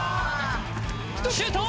シュート！